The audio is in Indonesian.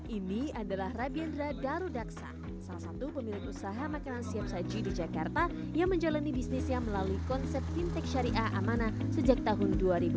ini adalah rabendra darudaksa salah satu pemilik usaha makanan siap saji di jakarta yang menjalani bisnisnya melalui konsep fintech syariah amanah sejak tahun dua ribu dua